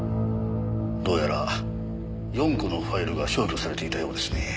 どうやら４個のファイルが消去されていたようですね。